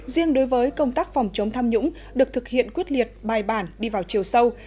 riêng đối với công tác phòng chống tham nhũng được thực hiện quyết liệt bài bản đi vào chiều sâu